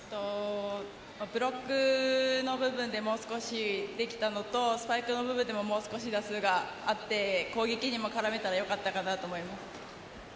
ブロックの部分でもう少しできたのとスパイクの部分でももう少し打数があって攻撃にも絡めたらよかったかなと思います。